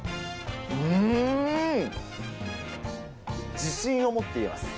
うーん、自信を持って言えます。